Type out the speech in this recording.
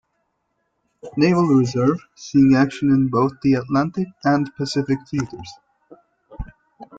Naval Reserve, seeing action in both the Atlantic and Pacific theaters.